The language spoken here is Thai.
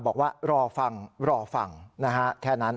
บอกว่ารอฟังรอฟังนะฮะแค่นั้น